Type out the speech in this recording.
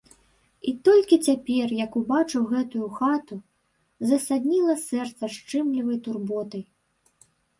І толькі цяпер, як убачыў гэтую хату, засадніла сэрца шчымлівай турботай.